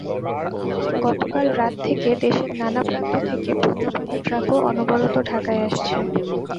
গতকাল রাত থেকে দেশের নানা প্রান্ত থেকে পণ্যবাহী ট্রাকও অনবরত ঢাকায় আসছে।